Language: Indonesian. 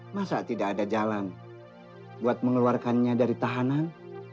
masa tidak ada jalan buat mengeluarkannya dari tahanan